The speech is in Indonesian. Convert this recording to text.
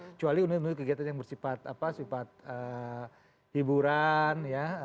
kecuali unit unit kegiatan yang bersifat hiburan